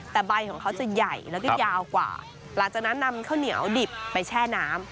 แต่ใบของเขาจะใหญ่แล้วก็ยาวกว่าหลังจากนั้นนำข้าวเหนียวดิบไปแช่น้ำ